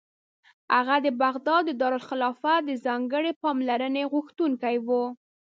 هغه د بغداد د دارالخلافت د ځانګړې پاملرنې غوښتونکی و.